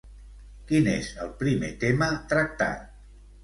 Quin és el primer tema tractat?